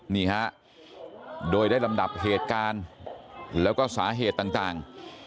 นี่ฮะโดยได้ลำดับเหตุการณ์แล้วก็สาเหตุต่าง